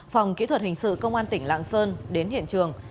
phòng kỹ thuật hình sự công an tỉnh lạng sơn đến hiện trường